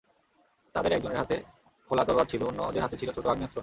তাঁদের একজনের হাতে খোলা তলোয়ার ছিল, অন্যদের হাতে ছিল ছোট আগ্নেয়াস্ত্র।